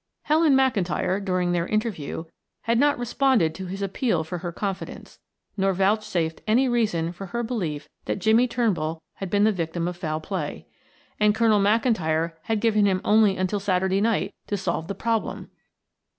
Helen McIntyre, during their interview, had not responded to his appeal for her confidence, nor vouchsafed any reason for her belief that Jimmie Turnbull had been the victim of foul play. And Colonel McIntyre had given him only until Saturday night to solve the problem!